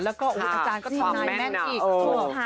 แล้วก็อาจารย์ก็ทำนายแม่นอีก